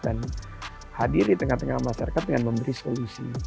dan hadir di tengah tengah masyarakat dengan memberi solusi